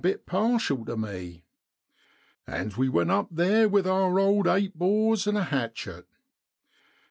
85 bit partial tu me ; and we went up theer with our old 8 bores an' a hatchet.